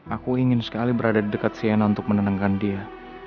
aku ingin sekali berada dekat sienna untuk menenangkan dia